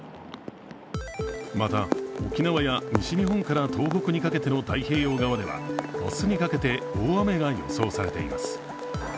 また、沖縄や西日本から東北にかけての太平洋側では明日にかけて大雨が予想されています。